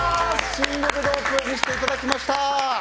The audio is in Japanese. シングルロープ見せていただきました。